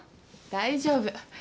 大丈夫。